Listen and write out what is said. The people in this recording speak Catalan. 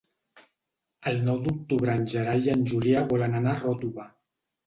El nou d'octubre en Gerai i en Julià volen anar a Ròtova.